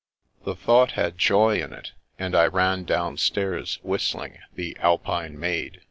The thought had joy in it, and I ran downstairs, whistling the "Alpine Maid."